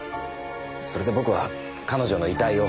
それで僕は彼女の遺体を。